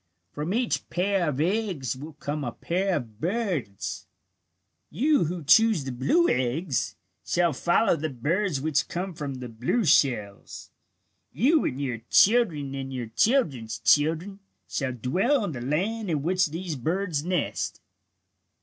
From each pair of eggs will come a pair of birds." "You who choose the blue eggs shall follow the birds which come from the blue shells. You and your children and your children's children shall dwell in the land in which these birds nest.